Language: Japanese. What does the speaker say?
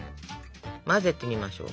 混ぜてみましょう。